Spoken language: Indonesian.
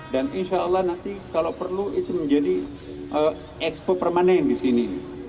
dan insyaallah nanti kalau perlu itu menjadi expo permanen di sini